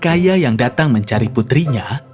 kaya yang datang mencari putrinya